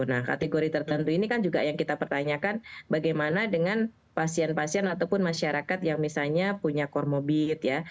nah kategori tertentu ini kan juga yang kita pertanyakan bagaimana dengan pasien pasien ataupun masyarakat yang misalnya punya cormobit ya